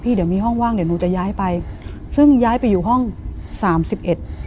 เดี๋ยวมีห้องว่างเดี๋ยวหนูจะย้ายไปซึ่งย้ายไปอยู่ห้องสามสิบเอ็ด